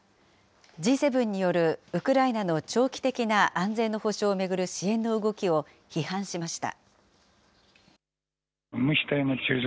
Ｇ７によるウクライナの長期的な安全の保証を巡る支援の動きを批判しました。